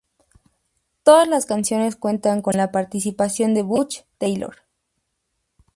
Todas las canciones cuentan con la participación de Butch Taylor.